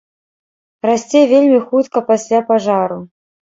Расце вельмі хутка пасля пажару.